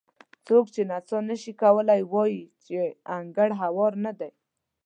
څوک چې نڅا نه شي کولی وایي چې انګړ هوار نه دی.